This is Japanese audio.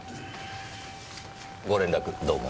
ご連絡どうも。